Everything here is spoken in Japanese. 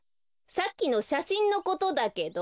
さっきのしゃしんのことだけど。